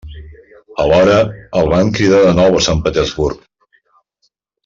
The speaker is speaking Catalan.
Alhora, el van cridar de nou a Sant Petersburg.